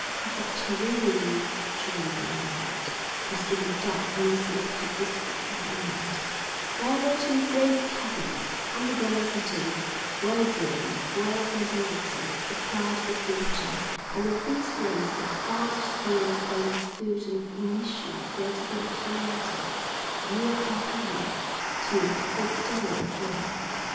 A subterranean Germany, in fact, was to be dug under selected districts of England; there were to be great caverns, underground cities, well drained, well ventilated, supplied with water, and in these places vast stores both of food and of munitions were to be accumulated, year after year, till "the Day" dawned.